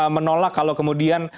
menolak kalau kemudian